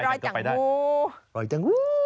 รอยจังฮู้